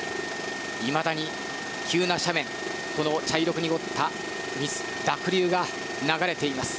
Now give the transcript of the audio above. いまだに急な斜面を茶色く濁った濁流が流れています。